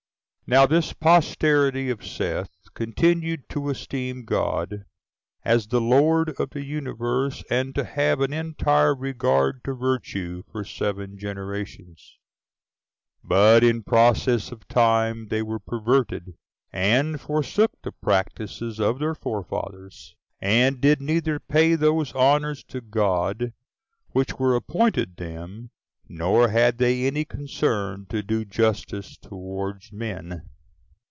1. Now this posterity of Seth continued to esteem God as the Lord of the universe, and to have an entire regard to virtue, for seven generations; but in process of time they were perverted, and forsook the practices of their forefathers; and did neither pay those honors to God which were appointed them, nor had they any concern to do justice towards men.